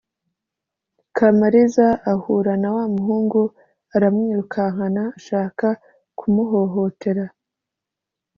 kamariza ahura na wa muhungu aramwirukankana ashaka kumu hohotera.